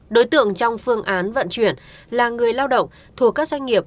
đối tượng trong phương án vận chuyển là người lao động thuộc các doanh nghiệp